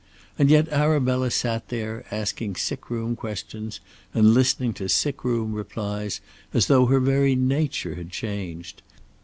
And yet Arabella sat there asking sick room questions and listening to sick room replies as though her very nature had been changed.